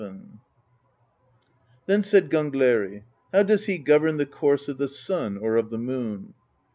Then said Gangleri :" How does he govern the course of the sun or of the moon?"